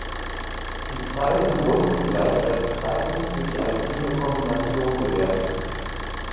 Die Zeiten wurden zugleich als Zeiten für die Alpine Kombination gewertet.